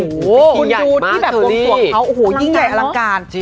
คุณดูที่แบบวงสวงเขาโอ้โหยิ่งใหญ่อลังการ